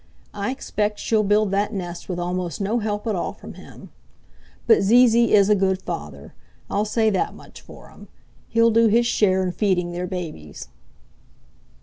I expect she'll build that nest with almost no help at all from him. But Zee Zee is a good father, I'll say that much for him. He'll do his share in feeding their babies."